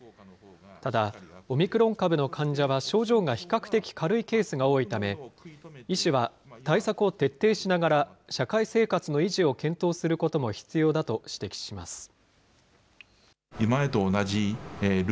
ただ、オミクロン株の患者は症状が比較的軽いケースが多いため、医師は、対策を徹底しながら、社会生活の維持を検討することも必要だと指摘します。